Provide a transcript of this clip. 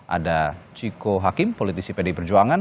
ada chiko hakim politisi pdi perjuangan